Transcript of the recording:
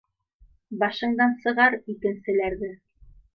Башыңдан сығар икенселәрҙе